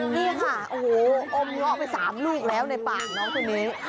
นี่ค่ะโอ้โหอมเงาะไป๓ลูกแล้วในปากน้องคนนี้